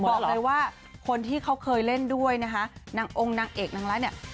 บอกเลยว่าคนที่เขาเคยเล่นด้วยนะคะนางองค์นางเอกนางร้ายเนี่ย